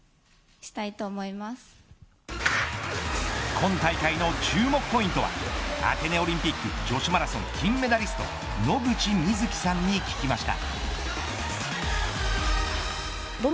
今大会の注目ポイントはアテネオリンピック女子マラソン金メダリスト野口みずきさんに聞きました。